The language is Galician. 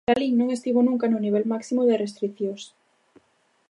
Lalín non estivo nunca no nivel máximo de restricións.